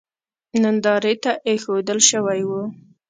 نندارې ته اېښودل شوی و.